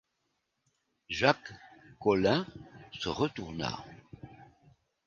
Jacques Collin se retourna.